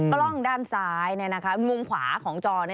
กล้องด้านซ้ายมุมขวาของจอ